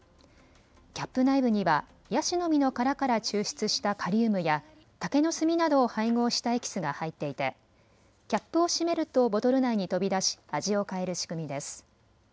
キャップ内部にはやしの実の殻から抽出したカリウムや竹の炭などを配合したエキスが入っていてキャップを閉めるとボトル内に飛び出し味を変える仕組みです。